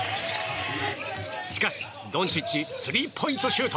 しかし、ドンチッチスリーポイントシュート。